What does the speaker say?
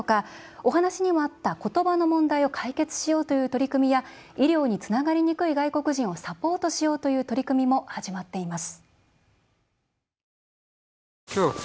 お話にもあった言葉の問題を解決しようという取り組みや医療につながりにくい外国人をサポートしようという取り組みも始まっています。